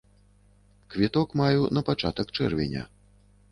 Квіток маю на пачатак чэрвеня.